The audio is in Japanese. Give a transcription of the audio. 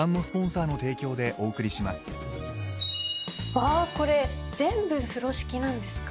わあこれ全部風呂敷なんですか？